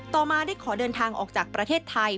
ต่อมาได้ขอเดินทางออกจากประเทศไทย